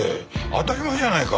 当たり前じゃないか。